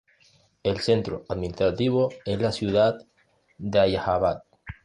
El centro administrativo es la ciudad de Allahabad.